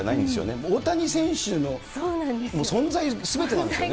もう大谷選手の存在すべてなんですよね。